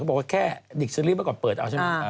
ก็บอกว่าแค่นิกเซอร์ลิฟต์ก่อนเปิดเอาใช่ไหม